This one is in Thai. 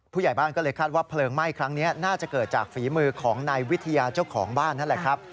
ผู้ใหญ่บ้านก็เลยคาดว่าเพลิงไหม้ครั้งนี้น่าจะเกิดจากฝีมือของนายวิทยาเจ้าของบ้านนั่นแหละครับ